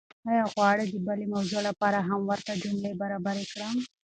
ایا غواړئ چې د بلې موضوع لپاره هم ورته جملې برابرې کړم؟